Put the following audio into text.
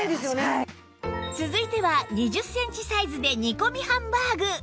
続いては２０センチサイズで煮込みハンバーグ